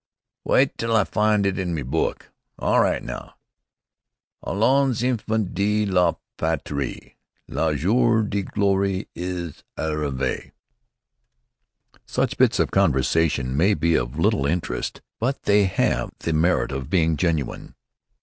"Wite till I find it in me book. All right now Allons infants dee la Pat ree, La joor de glory is arrivay." Such bits of conversation may be of little interest, but they have the merit of being genuine.